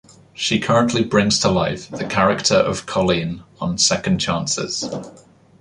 She currently brings to life the character of Colleen on "Second Chances".